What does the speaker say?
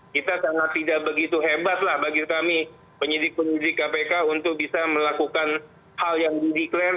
kita sangat tidak begitu hebat lah bagi kami penyidik penyidik kpk untuk bisa melakukan hal yang dideklarasi